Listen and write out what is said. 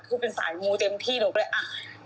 คือเป็นสายมูเต็มที่เลย